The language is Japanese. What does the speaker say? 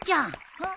うん？